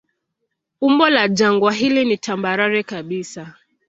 Umbo la jangwa hili ni tambarare kabisa.